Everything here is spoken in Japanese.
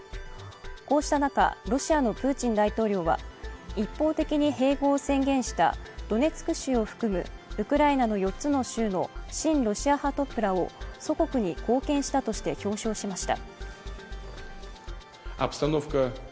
こうした中、ロシアのプーチン大統領は一方的に併合を宣言したドネツク州を含むウクライナの４つの州の親ロシア派トップらを祖国に貢献したとして表彰しました。